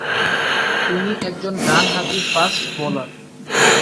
তিনি একজন ডানহাতি ফাস্ট বোলার।